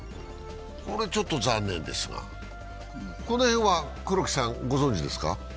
これはちょっと残念ですが、この辺は黒木さん、ご存じですか？